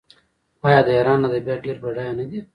آیا د ایران ادبیات ډیر بډایه نه دي؟